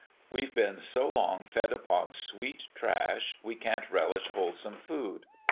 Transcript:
We've been so long fed upon sweet trash, we can't relish wholesome food.